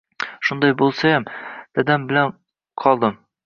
Shunday boʻlsayam, dadam bilan qoldim